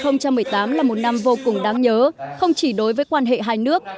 năm hai nghìn một mươi tám là một năm vô cùng đáng nhớ không chỉ đối với quan hệ hai nước